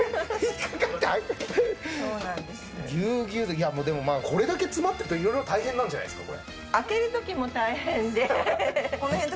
こちらは早速これだけ詰まってるといろいろ大変なんじゃないですか？